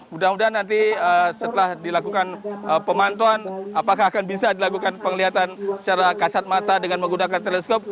mudah mudahan nanti setelah dilakukan pemantauan apakah akan bisa dilakukan penglihatan secara kasat mata dengan menggunakan teleskop